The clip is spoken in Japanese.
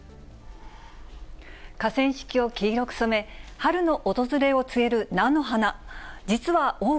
河川敷を黄色く染め、春の訪れを告げる菜の花。